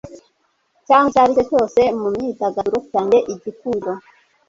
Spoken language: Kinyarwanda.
Cyangwa icyaricyo cyose mu myidagaduro yanjye igikundiro